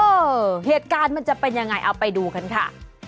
เหตุการณ์มันจะเป็นยังไงเอาไปดูกันค่ะ